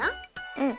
うん。